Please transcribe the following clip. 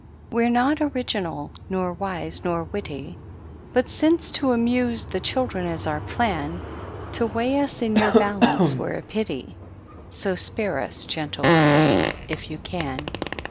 We're not original, nor wise, nor witty ; But, since to amuse the children is our plan, To weigh us in your balance were a pity ; So spare us, gentle Critic, if you can.